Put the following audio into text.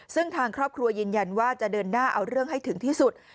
ซึ่งทางครอบครัวยืนยันว่าจะเดินหน้าเอาเรื่องให้ถึงที่สุด